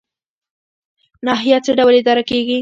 ناحیه څه ډول اداره کیږي؟